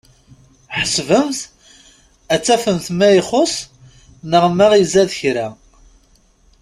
Ḥesbemt ad tafemt ma ixuṣ neɣ ma izad kra.